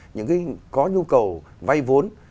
những người có nhu cầu vay vốn